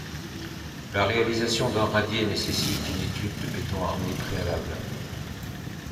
La réalisation d'un radier nécessite une étude de béton armé préalable.